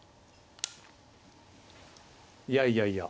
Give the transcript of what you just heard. いやいやいや。